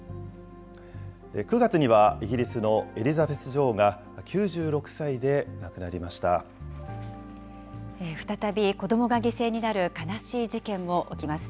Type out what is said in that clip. ９月には、イギリスのエリザベス再び、子どもが犠牲になる悲しい事件も起きます。